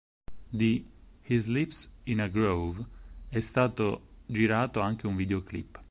Di "He Sleeps in a Grove" è stato girato anche un videoclip.